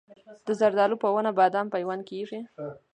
د زردالو په ونه بادام پیوند کیږي؟